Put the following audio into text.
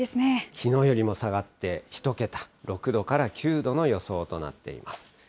きのうよりも下がって１桁、６度から９度の予想となっています。